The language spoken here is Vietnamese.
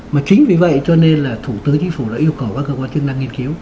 mà chính vì vậy cho nên là thủ tướng chính phủ đã yêu cầu các cơ quan chức năng nghiên cứu